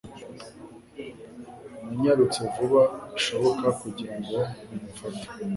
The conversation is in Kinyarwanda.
Nanyarutse vuba bishoboka kugira ngo mumufate